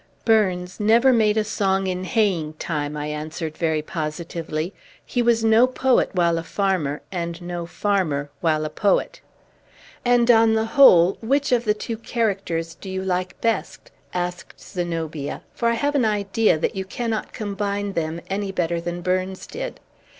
"Burns never made a song in haying time," I answered very positively. "He was no poet while a farmer, and no farmer while a poet." "And on the whole, which of the two characters do you like best?" asked Zenobia. "For I have an idea that you cannot combine them any better than Burns did.